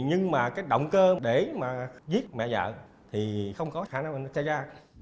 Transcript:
nhưng mà cái động cơ để mà giết mẹ vợ thì không có khả năng nó xảy ra